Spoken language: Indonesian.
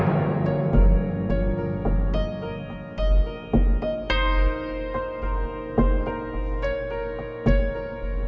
kondisi adik kritis pak